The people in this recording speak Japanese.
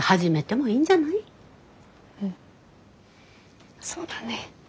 うんそうだね。